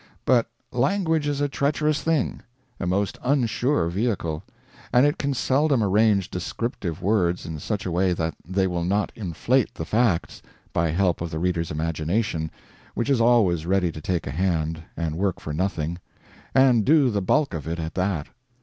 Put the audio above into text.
But language is a treacherous thing, a most unsure vehicle, and it can seldom arrange descriptive words in such a way that they will not inflate the facts by help of the reader's imagination, which is always ready to take a hand, and work for nothing, and do the bulk of it at that.